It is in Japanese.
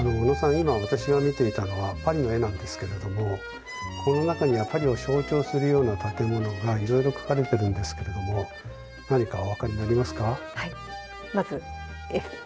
今私が見ていたのはパリの絵なんですけれどもこの中にはパリを象徴するような建物がいろいろ描かれてるんですけれども何かお分かりになりますか？